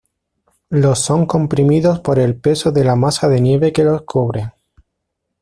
Los son comprimidos por el peso de la masa de nieve que los cubre.